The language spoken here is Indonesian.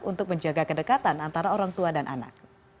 untuk menjaga kedekatan antara orang tua dan anak